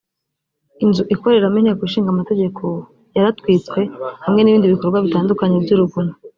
inzu ikoreramo Inteko Ishinga Amategeko yaratwitswe hamwe n’ibindi bikorwa bitandukanye by’urugomo